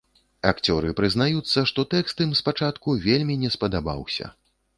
Акцёры прызнаюцца, што тэкст ім спачатку вельмі не спадабаўся.